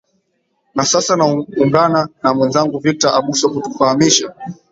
na sasa na ungana na mwezangu victor abuso kutufahamisha